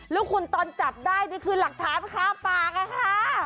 แล้วคุณตอนจับได้นี่คือหลักฐานคาปากอะค่ะ